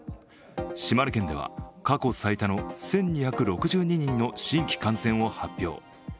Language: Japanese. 島根県では過去最多の１２６２人の新規感染を発表。